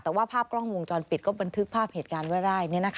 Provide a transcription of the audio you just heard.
แต่ว่าภาพกล้องวงจรปิดก็บันทึกภาพเหตุการณ์ไว้ได้